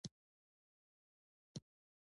سیلاني ځایونه د افغانستان د زرغونتیا یوه نښه ده.